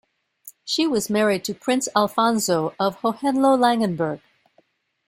She was married to Prince Alfonso of Hohenlohe-Langenburg.